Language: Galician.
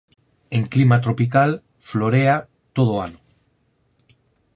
En clima tropical florea todo o ano.